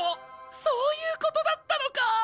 そういう事だったのかあ！